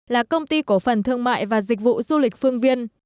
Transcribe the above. là công ty cổ phần thương mại và dịch vụ du lịch phương viên